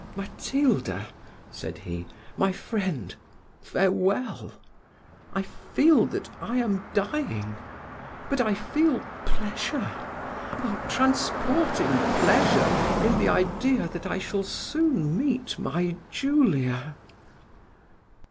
"Matilda," said he, "my friend, farewell; I feel that I am dying, but I feel pleasure, oh! transporting pleasure, in the idea that I shall soon meet my Julia.